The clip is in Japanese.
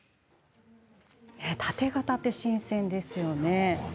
タテ型って新鮮ですよね。